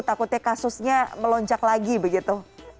takutnya kasusnya melonjak lagi begitu